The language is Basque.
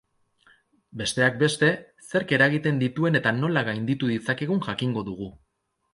Besteak beste, zerk eragiten dituen eta nola gainditu ditzakegun jakingo dugu.